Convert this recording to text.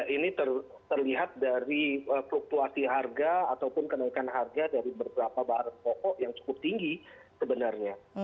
ini terlihat dari fluktuasi harga ataupun kenaikan harga dari beberapa bahan pokok yang cukup tinggi sebenarnya